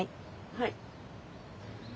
はい。